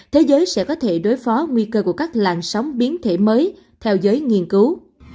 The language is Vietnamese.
thế giới sẽ có thể đối phó nguy cơ của các làn sóng biến thể mới theo giới nghiên cứu